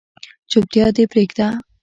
چوپتیا دې پریږده